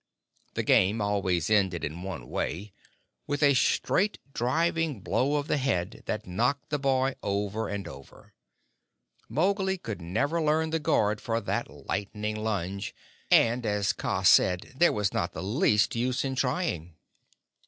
The game always ended in one way with a straight, driving blow of the head that knocked the boy over and over. Mowgli could never learn the guard for that lightning lunge, and, as Kaa said, there was not the least use in trying.